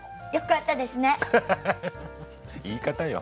言い方よ。